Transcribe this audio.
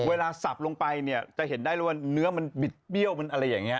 เวลาสับลงไปจะเห็นได้ว่าเนื้อมันบิดเปรี้ยวมันอะไรอย่างนี้